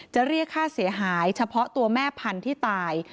เรียกค่าเสียหายเฉพาะตัวแม่พันธุ์ที่ตาย